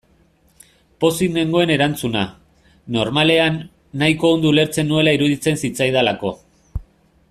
Pozik nengoen erantzuna, normalean, nahiko ondo ulertzen nuela iruditzen zitzaidalako.